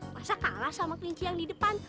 masa kalah sama kelinci yang di depan